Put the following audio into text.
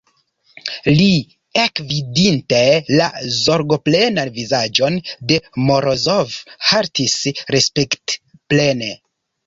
Li, ekvidinte la zorgoplenan vizaĝon de Morozov, haltis respektplene.